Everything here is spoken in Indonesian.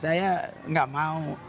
saya gak mau